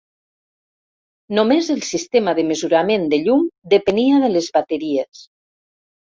Només el sistema de mesurament de llum depenia de les bateries.